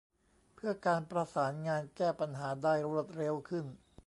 เพื่อการประสานงานแก้ปัญหาได้รวดเร็วขึ้น